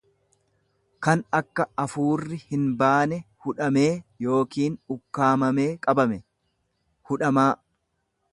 kan akka afuurri hinbaane hudhamee yookiin. ukkaamamee qabame, hudhamaa.